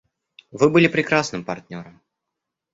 Вы были прекрасным партнером.